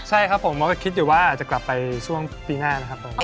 ใช่ครับผมก็คิดอยู่ว่าจะกลับไปช่วงปีหน้านะครับผม